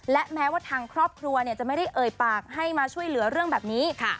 และแม้ว่าทางครอบครัวจะไม่ได้เอ่ยปากให้มาช่วยเหลือเรื่องแบบนี้